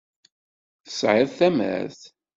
Tesɛiḍ tamert.